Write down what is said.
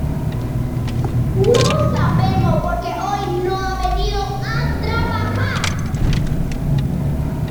No sabemos por qué hoy no ha venido a trabajar.